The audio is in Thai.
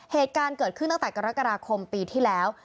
เหตุการณ์เกิดขึ้นตั้งแต่กรกฎาคมปีที่แล้ว